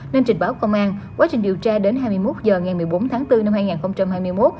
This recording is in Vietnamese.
nên trình báo công an quá trình điều tra đến hai mươi một h ngày một mươi bốn tháng bốn năm hai nghìn hai mươi một